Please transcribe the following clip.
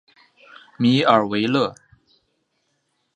米尔维勒。